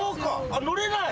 乗れない？